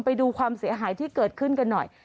ไปดูความเสียหายที่เกิดขึ้นกันหน่อย